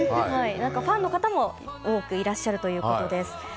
ファンの方も多くいらっしゃるということです。